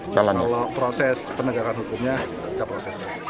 kalau proses penegakan hukumnya gak proses